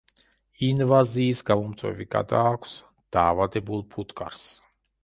ინვაზიის გამომწვევი გადააქვს დაავადებულ ფუტკარს.